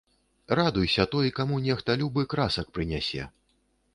Радуйся той, каму нехта любы красак прынясе.